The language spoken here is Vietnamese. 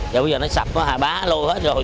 giờ bây giờ nó sập nó hà bá lôi hết rồi